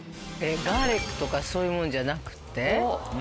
ガーリックとかそういうもんじゃなくて？